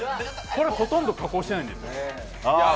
これ、ほとんど加工してないんですよ。